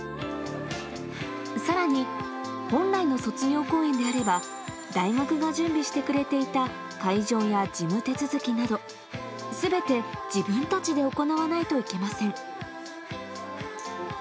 さらに本来の卒業公演であれば、大学が準備してくれていた会場や事務手続きなど、すべて自分たちで行わないといけません。